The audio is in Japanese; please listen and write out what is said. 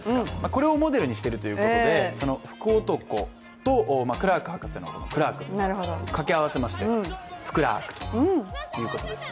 これをモデルにしているということで福男とクラーク博士のクラークを掛け合わせまして福ラークということです。